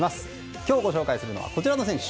今日ご紹介するのはこちらの選手